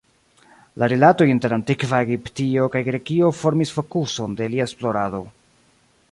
La rilatoj inter antikva Egiptio kaj Grekio formis fokuson de lia esplorado.